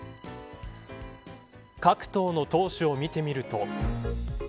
各党の党首を見てみると。